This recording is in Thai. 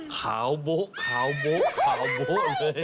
ขาวโบ๊ะขาวโบ๊ะขาวโบ๊ะเลย